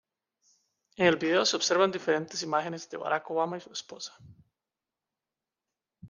En el video se observan diferentes imágenes de Barack Obama y su esposa.